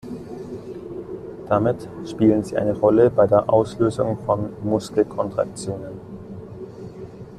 Damit spielen sie eine Rolle bei der Auslösung von Muskelkontraktionen.